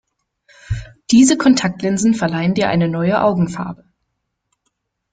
Diese Kontaktlinsen verleihen dir eine neue Augenfarbe.